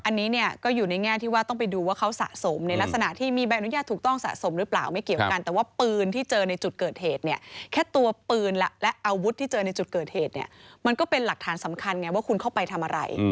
อันนี้เนี่ยก็อยู่ในแง่ที่ว่าต้องไปดูว่าเขาสะสมในลักษณะที่มีใบอนุญาตถูกต้องสะสมหรือเปล่าไม่เกี่ยวกันแต่ว่าปืนที่เจอในจุดเกิดเหตุเนี่ยแค่ตัวปืนและอาวุธที่เจอในจุดเกิดเหตุเนี่ยมันก็เป็นหลักฐานสำคัญไงว่าคุณเข้าไปทำอะไร